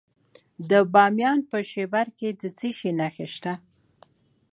د بامیان په شیبر کې د څه شي نښې دي؟